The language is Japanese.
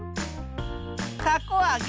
たこあげ。